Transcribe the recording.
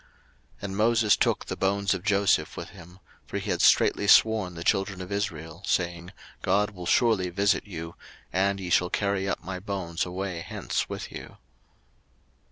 02:013:019 And Moses took the bones of Joseph with him: for he had straitly sworn the children of Israel, saying, God will surely visit you; and ye shall carry up my bones away hence with you.